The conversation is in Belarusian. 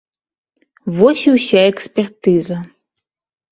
Вось і ўся экспертыза.